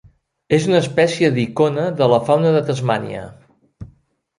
És una espècie d'icona de la fauna de Tasmània.